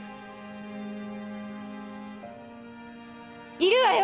いるわよ！